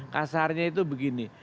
kasarnya itu begini